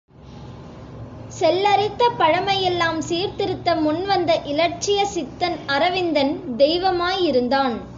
செல்லரித்த பழமையெல்லாம் சீர்திருத்த முன்வந்த இலட்சியச் சித்தன் அரவிந்தன் தெய்வமாயிருந்தான்.